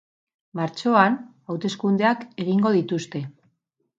Martxoan, hauteskundeak egingo dituzte.